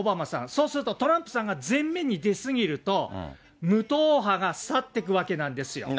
そうすると、トランプさんが前面に出過ぎると、無党派が去っていくわけなんですよ。